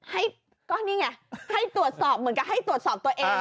ให้ก็นี่ไงให้ตรวจสอบเหมือนกับให้ตรวจสอบตัวเอง